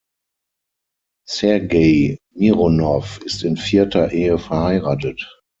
Sergei Mironow ist in vierter Ehe verheiratet.